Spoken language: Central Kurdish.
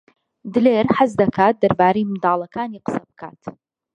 دلێر حەز دەکات دەربارەی منداڵەکانی قسە بکات.